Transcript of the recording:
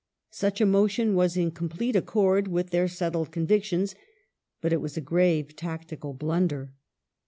Such a motion was in complete accord with their settled convictions, but it was a grave tactical blunder.